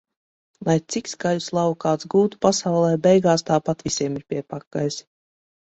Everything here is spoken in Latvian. Lai cik skaļu slavu kāds gūtu pasaulē - beigās tāpat visiem ir pie pakaļas.